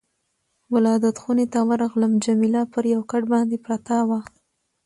ولادت خونې ته ورغلم، جميله پر یو کټ باندې پرته وه.